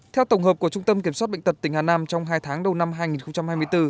theo tổng hợp của trung tâm kiểm soát bệnh tật tỉnh hà nam trong hai tháng đầu năm hai nghìn hai mươi bốn